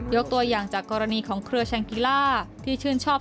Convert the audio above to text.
ตัวอย่างจากกรณีของเครือแชงกิล่าที่ชื่นชอบ